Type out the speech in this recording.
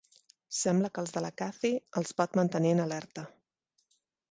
Sembla que els de la Kathy, els pot mantenir en alerta.